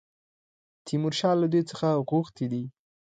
تیمورشاه له دوی څخه غوښتي دي.